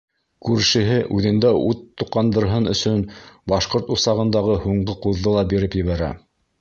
Күршеһе үҙендә ут тоҡандырһын өсөн, башҡорт усағындағы һуңғы ҡуҙҙы ла биреп ебәрә.